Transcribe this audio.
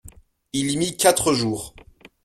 Il y mit quatre jours.